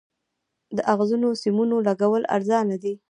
د اغزنو سیمونو لګول ارزانه دي؟